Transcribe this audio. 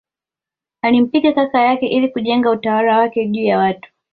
Alimpinga kaka yake ili kujenga utawala wake juu ya watu